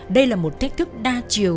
đây là một thách thức đa chiều